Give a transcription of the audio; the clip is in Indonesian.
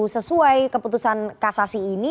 sesuai keputusan kasasi ini